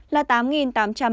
là tám tám trăm ba mươi hai ca